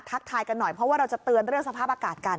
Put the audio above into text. ทายกันหน่อยเพราะว่าเราจะเตือนเรื่องสภาพอากาศกัน